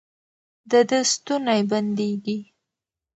د ده ستونی بندېږي.